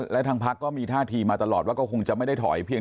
และทางพักก็มีท่าทีมาตลอดว่าก็คงจะไม่ได้ถอยเพียง